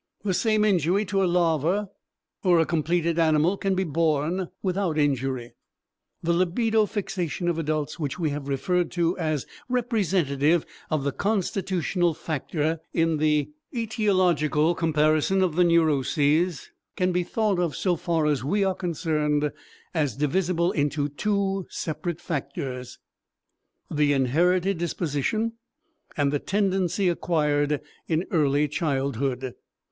The same injury to a larva or a completed animal can be borne without injury. The libido fixation of adults, which we have referred to as representative of the constitutional factor in the etiological comparison of the neuroses, can be thought of, so far as we are concerned, as divisible into two separate factors, the inherited disposition and the tendency acquired in early childhood.